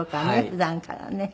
普段からね。